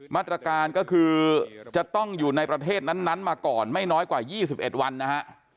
มาตรการก็คือจะต้องอยู่ในประเทศนั้นมาก่อนไม่น้อยกว่า๒๑วันนะฮะ